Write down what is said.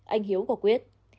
anh hiếu có quyết